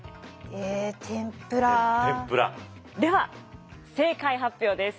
では正解発表です。